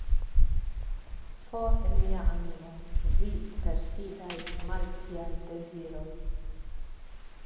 For el mia animo, vi perfidaj, malpiaj, deziroj!